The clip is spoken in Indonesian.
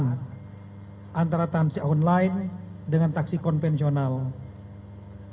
untuk itu kita ingin agar biasa jadi kita harus mencari di bagian yang lebih terbaik untuk mencapai kepentingan